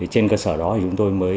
trên cơ sở đó thì chúng tôi mới